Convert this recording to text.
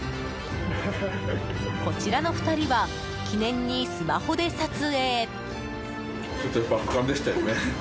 こちらの２人は記念にスマホで撮影。